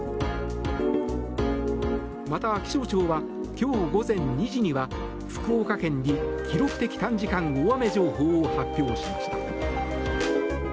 また、気象庁は今日午前２時には福岡県に記録的短時間大雨情報を発表しました。